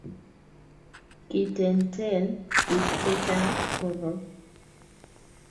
kiitenten biik che chang' koroi